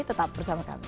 tetap bersama kami